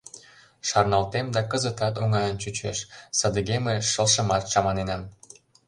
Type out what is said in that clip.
— Шарналтем да, кызытат оҥайын чучеш, садыге мый шылшымат «чаманенам».